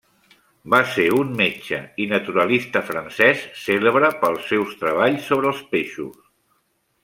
Va ser un metge i naturalista francès cèlebre pels seus treballs sobre els peixos.